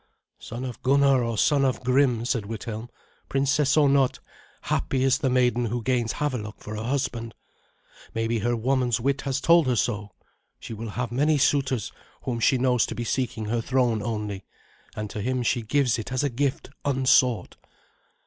"Son of Gunnar, or son of Grim," said Withelm, "princess or not, happy is the maiden who gains Havelok for a husband. Maybe her woman's wit has told her so. She will have many suitors whom she knows to be seeking her throne only, and to him she gives it as a gift unsought."